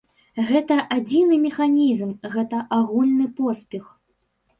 Гэта адзіны механізм, гэта агульны поспех.